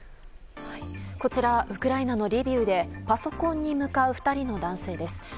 こちら、ウクライナのリビウでパソコンに向かう２人の男性です。